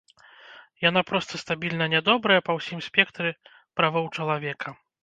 Яна проста стабільна нядобрая па ўсім спектры правоў чалавека.